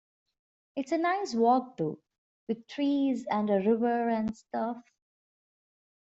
It's a nice walk though, with trees and a river and stuff.